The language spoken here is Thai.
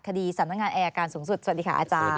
คดีสำนักงานอายการสูงสุดสวัสดีค่ะอาจารย์